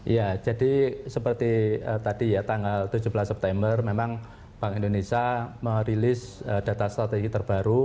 ya jadi seperti tadi ya tanggal tujuh belas september memang bank indonesia merilis data strategi terbaru